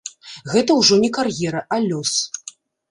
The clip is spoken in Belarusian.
Гэта ўжо не кар'ера, а лёс.